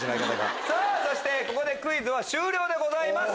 さぁそしてここでクイズは終了でございます。